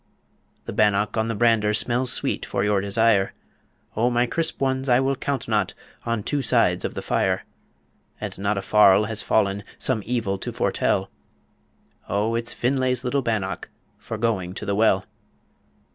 The bannock on the brander Smells sweet for your desire O my crisp ones I will count not On two sides of the fire; And not a farl has fallen Some evil to foretell! O it's Finlay's little bannock For going to the well.